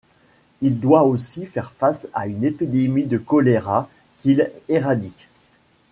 Il doit aussi faire face à une épidémie de choléra qu'il éradique.